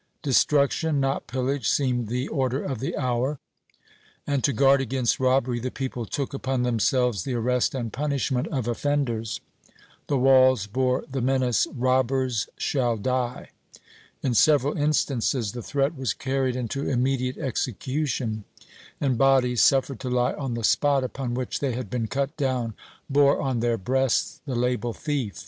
Destruction, not pillage, seemed the order of the hour, and to guard against robbery the people took upon themselves the arrest and punishment of offenders. The walls bore the menace, "Robbers shall die!" In several instances the threat was carried into immediate execution, and bodies, suffered to lie on the spot upon which they had been cut down, bore on their breasts the label "Thief!"